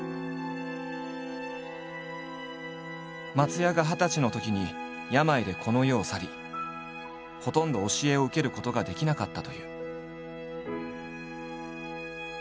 松也が二十歳のときに病でこの世を去りほとんど教えを受けることができなかったという。